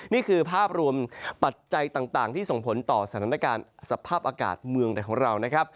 นี่คือภาพรวมปัจจัยต่างที่ส่งผลต่อสถานการณ์สภาพอากาศเมืองไหนของเรานะครับ